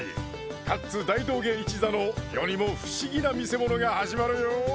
カッツ大道芸一座の世にも不思議な見せ物が始まるよ